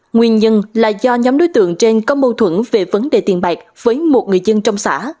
nguyên nhân là do nhóm đối tượng trên có mâu thuẫn về vấn đề tiền bạc với một người dân trong xã